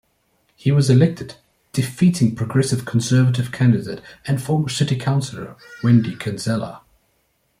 He was elected, defeating Progressive Conservative candidate and former city councillor Wendy Kinsella.